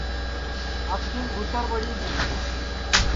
آنکھیم گُھتر ٻڑی گی